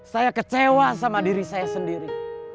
saya kecewa sama diri saya sendiri